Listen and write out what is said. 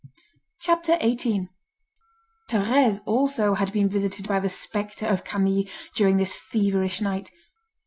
CHAPTER XVIII Thérèse also had been visited by the spectre of Camille, during this feverish night.